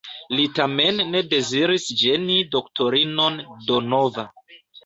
Li tamen ne deziris ĝeni doktorinon Donova.